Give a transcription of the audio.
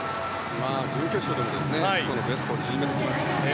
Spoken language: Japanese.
準決勝でもベストを縮めてきましたからね。